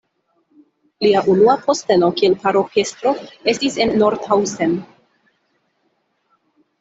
Lia unua posteno kiel paroĥestro estis en Nordhausen.